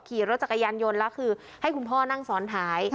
ขี่รถจักรยานยนต์แล้วคือให้คุณพ่อนั่งซ้อนท้าย